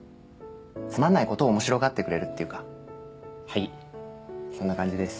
つまんないことを面白がってくれるっていうかはいそんな感じです